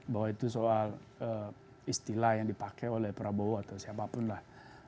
bahwa itu soal istilah yang dipakai oleh prabowo atau siapapun lah